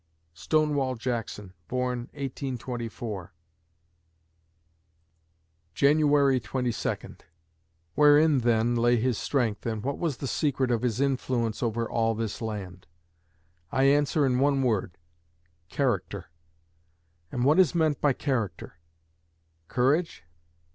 Stonewall Jackson born, 1824 January Twenty Second Wherein, then, lay his strength, and what was the secret of his influence over all this land? I answer in one word character. And what is meant by character? Courage?